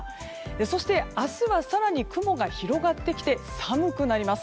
そして明日は更に雲が広がってきて寒くなります。